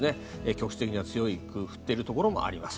局地的には強く降っているところもあります。